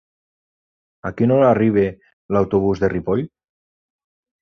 A quina hora arriba l'autobús de Ripoll?